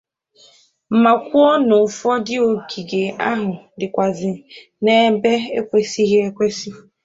ma kwuo na ụfọdụ ogige ahụ dịkwàzị n'ebe ekwesighị ekwesi